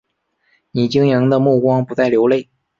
你晶莹的目光不再流泪